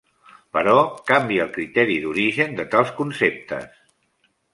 Però canvia el criteri d'origen de tals conceptes.